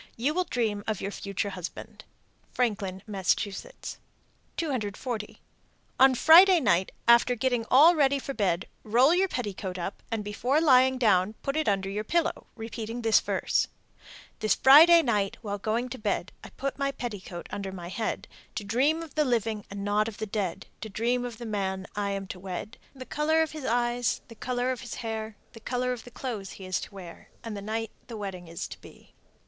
You will dream of your future husband. Franklin, Mass. 240. On Friday night after getting all ready for bed, roll your petticoat up, and before lying down put it under your pillow, repeating this verse: This Friday night while going to bed, I put my petticoat under my head, To dream of the living and not of the dead, To dream of the man I am to wed, The color of his eyes, the color of his hair, The color of the clothes he is to wear, And the night the wedding is to be.